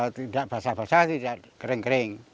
tidak basah basah tidak kering kering